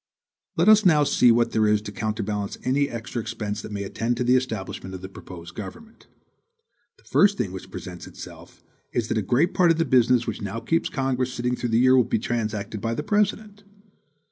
Let us now see what there is to counterbalance any extra expense that may attend the establishment of the proposed government. The first thing which presents itself is that a great part of the business which now keeps Congress sitting through the year will be transacted by the President.